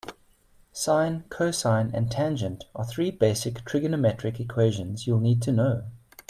Sine, cosine and tangent are three basic trigonometric equations you'll need to know.